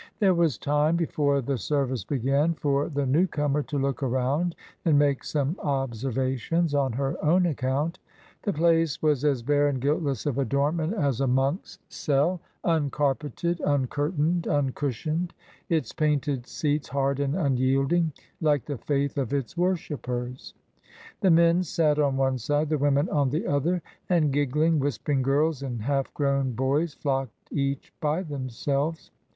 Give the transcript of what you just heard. There was time, before the service began, for the new comer to look around and make some observations on her own account. The place was as bare and guiltless of adornment as a monk's cell,— uncarpeted, uncurtained, uncushioned,— its painted seats hard and unyielding, like the faith of its worshipers. The men sat on one side, the women on the other, and giggling, whispering girls and half grown boys flocked each by themselves.